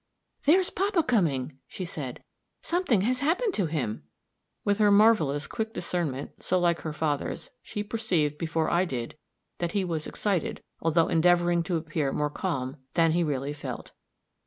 "There's papa coming," she said; "something has happened to him." With her marvelous quick discernment, so like her father's, she perceived, before I did, that he was excited, although endeavoring to appear more calm than he really felt.